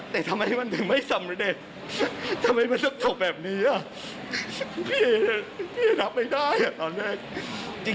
แต่ทำให้มันเป็นไม่สำเร็จทำให้มันสรุปแบบนี้พี่เอรับไม่ได้ตอนแรก